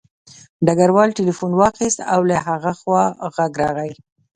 ډګروال تیلیفون واخیست او له هغه خوا غږ راغی